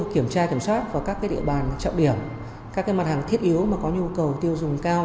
kiểm tra kiểm soát vào các địa bàn trọng điểm các mặt hàng thiết yếu có nhu cầu tiêu dùng cao